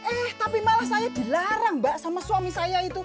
eh tapi malah saya dilarang mbak sama suami saya itu